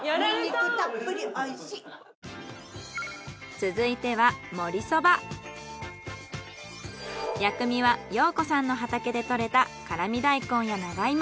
続いては薬味は洋子さんの畑で採れた辛味大根や長芋。